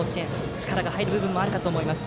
力が入る部分もあるかと思います。